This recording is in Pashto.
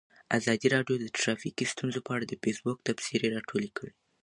ازادي راډیو د ټرافیکي ستونزې په اړه د فیسبوک تبصرې راټولې کړي.